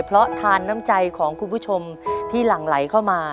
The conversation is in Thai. เพราะทานน้ำใจของคุณผู้ชมที่หลั่งไหลเข้ามา